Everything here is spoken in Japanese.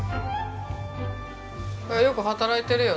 よく働いてるよね？